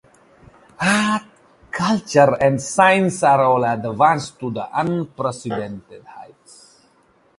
Art, culture and science all advanced to unprecedented heights.